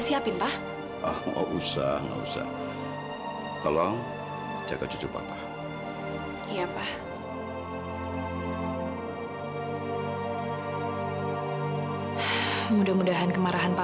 sampai jumpa di video selanjutnya